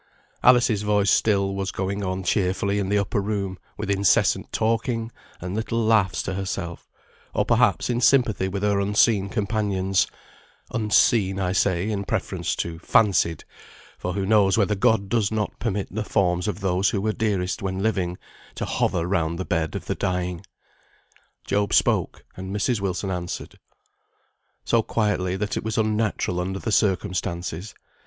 Alice's voice still was going on cheerfully in the upper room with incessant talking and little laughs to herself, or perhaps in sympathy with her unseen companions; "unseen," I say, in preference to "fancied," for who knows whether God does not permit the forms of those who were dearest when living, to hover round the bed of the dying? Job spoke, and Mrs. Wilson answered. So quietly, that it was unnatural under the circumstances.